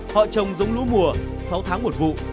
họ trồng giống lúa mùa sáu tháng một vụ